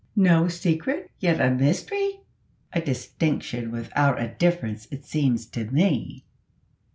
"No secret, yet a mystery! a distinction without a difference, it seems to me."